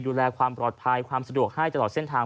ดูแลความปลอดภัยความสะดวกให้ตลอดเส้นทาง